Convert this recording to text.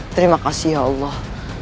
terima kasih ya allah